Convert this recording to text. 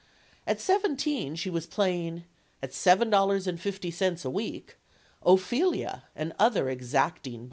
At seventeen, she was playing at seven dollars and fifty cents a week Ophelia and other exacting parts.